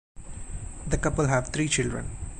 The couple have three children.